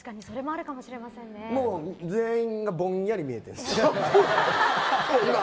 もう全員がぼんやり見えてる。